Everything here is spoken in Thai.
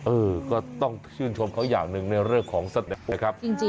อื้อก็ต้องชื่นชมเขาอย่างหนึ่งในเรื่องของสตินะครับจริงจริง